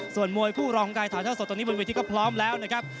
ส่วนมวยคู่รองการถ่ายเท่าสดตอนนี้บนเวทีก็พร้อมแล้วนะครับ